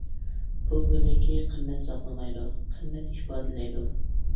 پۇل بىرلىكى قىممەت ساقلىمايدۇ، قىممەت ئىپادىلەيدۇ.